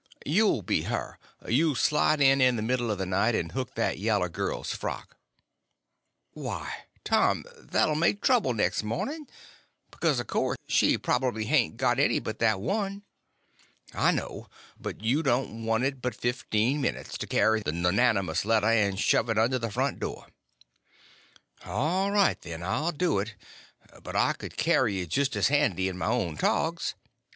"You'll be her. You slide in, in the middle of the night, and hook that yaller girl's frock." "Why, Tom, that 'll make trouble next morning; because, of course, she prob'bly hain't got any but that one." "I know; but you don't want it but fifteen minutes, to carry the nonnamous letter and shove it under the front door." "All right, then, I'll do it; but I could carry it just as handy in my own togs."